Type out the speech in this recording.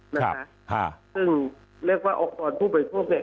นะคะซึ่งเรียกว่าองค์กรผู้บริโภคเนี่ย